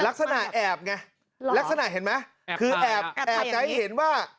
ลักษณะแอบไงลักษณะเห็นไงแอบทรายแอบใจเห็นว่า